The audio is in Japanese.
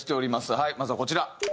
はいまずはこちら。